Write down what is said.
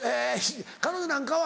彼女なんかは。